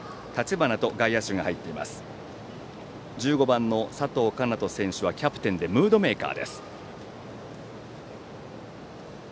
１５番の佐藤叶人選手はキャプテンでムードメーカーです。